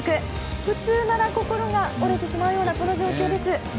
普通なら心が折れてしまうようなこの状況です。